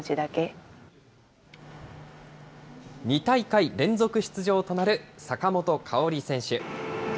２大会連続出場となる坂本花織選手。